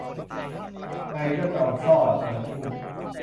ไง เจ้าซอมซ่อ เธอพูด